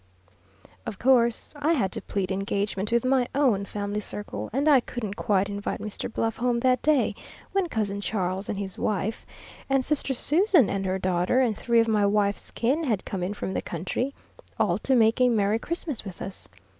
Of course, I had to plead engagement with my own family circle, and I couldn't quite invite Mr. Bluff home that day, when Cousin Charles and his wife, and Sister Susan and her daughter, and three of my wife's kin had come in from the country, all to make a merry Christmas with us.